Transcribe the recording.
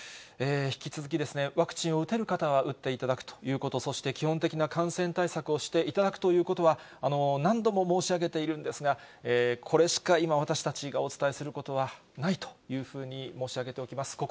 引き続きワクチンを打てる方は、打っていただくということ、そして基本的な感染対策をして頂くということは、何度も申し上げているんですが、これしか今、私たちがお伝えすることはないというふうに申し上げておきます。